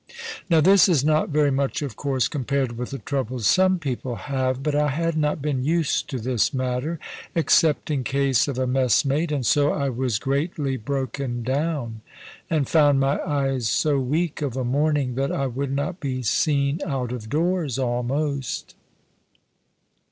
Now this is not very much, of course, compared with the troubles some people have. But I had not been used to this matter, except in case of a messmate; and so I was greatly broken down, and found my eyes so weak of a morning, that I would not be seen out of doors, almost.